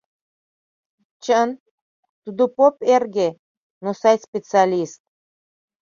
Чын, тудо поп эрге, но сай специалист.